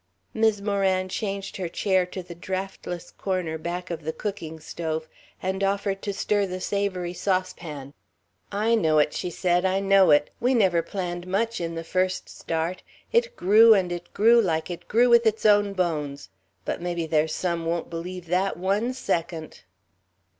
Mis' Moran changed her chair to the draughtless corner back of the cooking stove and offered to stir the savoury saucepan. "I know it," she said, "I know it. We never planned much in the first start. It grew and it grew like it grew with its own bones. But mebbe there's some won't believe that, one secunt."